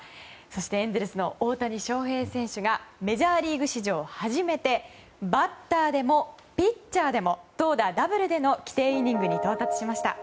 そしてエンゼルスの大谷翔平選手がメジャーリーグ史上初めてバッターでもピッチャーでも投打ダブルでの規定イニングに到達しました。